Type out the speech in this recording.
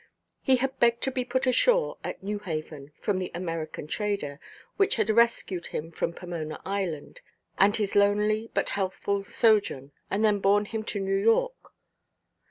He had begged to be put ashore at Newhaven, from the American trader, which had rescued him from Pomona Island, and his lonely but healthful sojourn, and then borne him to New York.